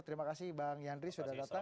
terima kasih bang yandri sudah datang